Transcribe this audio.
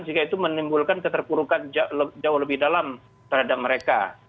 sehingga itu menimbulkan keterpurukan jauh lebih dalam terhadap mereka